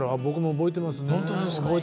覚えてます。